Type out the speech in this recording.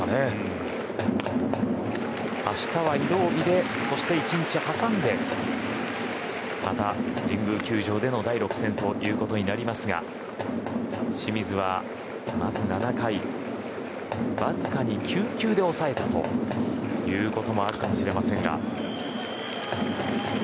明日は移動日で１日、挟んでまた神宮球場での第６戦となりますが清水は、まず７回わずかに９球で抑えたということもあるかもしれませんが。